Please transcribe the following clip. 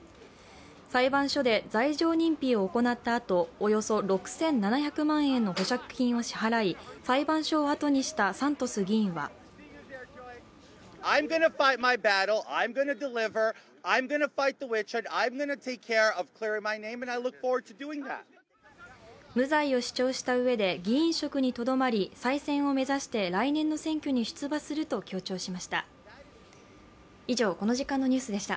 裁判所で罪状認否を行ったあとおよそ６７００万円の保釈金を支払い裁判所をあとにしたサントス議員は無罪を主張したうえで議員職にとどまり再選を目指して来年の選挙に出馬すると強調しました。